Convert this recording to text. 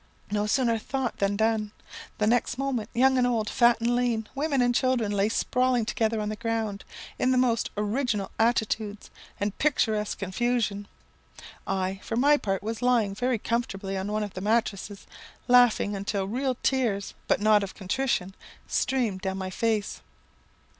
No sooner thought than done. The next moment old and young, fat and lean, women and children, lay sprawling together on the ground, in the most original attitudes and picturesque confusion. I, for my part, was lying very comfortably on one of the mattrasses, laughing until real tears, but not of contrition, streamed down my face.